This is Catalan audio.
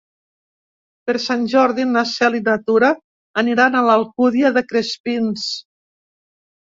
Per Sant Jordi na Cel i na Tura aniran a l'Alcúdia de Crespins.